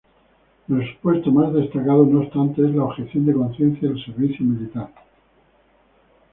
El supuesto más destacado, no obstante, es la objeción de conciencia al servicio militar.